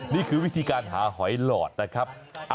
นี่คือวิธีการหาหอยหลอดนะครับ